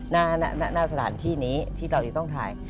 หน้าสถานที่นี้ที่เราจะต้องถ่าย